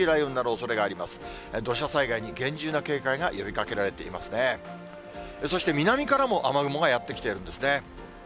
そして南からも、雨雲がやって来ているんですね。